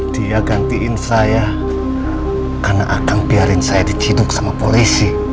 dia gantiin saya karena akan biarin saya diciduk sama polisi